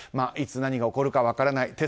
いつ何が起こるか分からない。